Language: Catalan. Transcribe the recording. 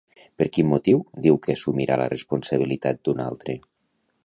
Per quin motiu diu que assumirà la responsabilitat d'un altre?